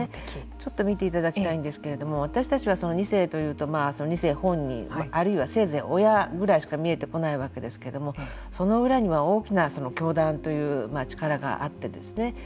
ちょっと見ていただきたいんですけれども私たちは、２世というと２世本人あるいは、せいぜい親ぐらいしか見えてこないわけですけれどもその裏には大きな教団という力があってですね